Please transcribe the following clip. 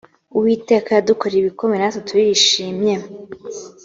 uwiteka yadukoreye ibikomeye natwe turishimye